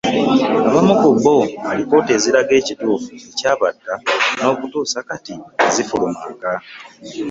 Abamu ku bbo alipoota eziraga ekituufu ekyabatta n'okutuusa kati tezifulumanga